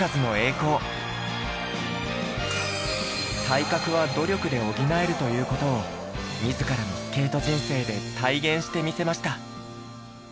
体格は努力で補えるという事を自らのスケート人生で体現してみせました。